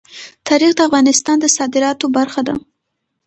تاریخ د افغانستان د صادراتو برخه ده.